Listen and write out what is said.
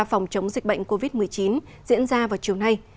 phòng chống dịch bệnh covid một mươi chín diễn ra vào chiều nay